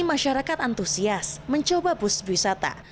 masyarakat antusias mencoba bus wisata